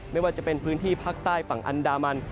ไม่ว่าจะเป็นพื้นที่ภาคใต้ฝั่งอันดามัน